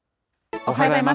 おはようございます。